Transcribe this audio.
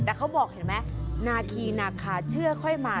แต่เขาบอกเห็นไหมนาคีนาคาเชื่อค่อยมา